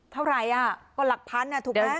เท่าไหร่อ่ะก็หลักพันถูกไหม